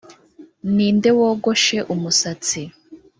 Ninde wogoshe umusatsi